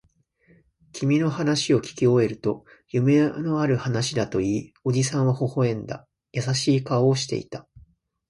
君の話をきき終えると、夢のある話だと言い、おじさんは微笑んだ。優しい顔をしていた。